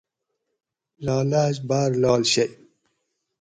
لالاۤل باۤر لاڷ شئی